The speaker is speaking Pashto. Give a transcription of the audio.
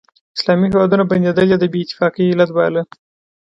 اسلامي هیوادونه بندېدل یې د بې اتفاقۍ علت باله.